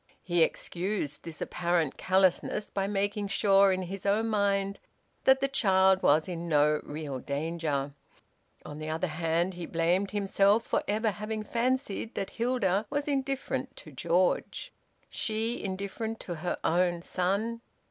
He excused this apparent callousness by making sure in his own mind that the child was in no real danger. On the other hand he blamed himself for ever having fancied that Hilda was indifferent to George. She, indifferent to her own son!